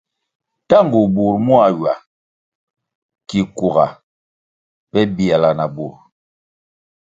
Tangu bur muá ywa ki kuga pe biala na bur.